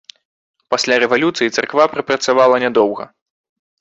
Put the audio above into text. Пасля рэвалюцыі царква прапрацавала нядоўга.